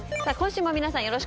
さあ今週も皆さん